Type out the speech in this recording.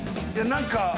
何か。